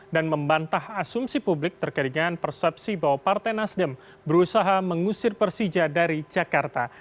dan membantah asumsi publik terkait dengan persepsi bahwa partai nasdem berusaha mengusir persija dari jakarta